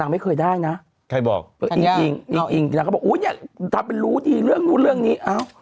วเภกว่าวรู้ดิเรื่องนู่นเรื่องนี้เอา